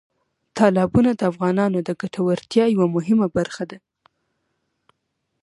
تالابونه د افغانانو د ګټورتیا یوه مهمه برخه ده.